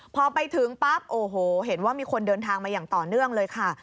พอไปถึงปั๊บโอ้โหเห็นว่ามีคนเดินทางมาอย่างต่อเนื่องเลยค่ะ